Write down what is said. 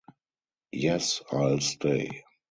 Yes, I'll stay.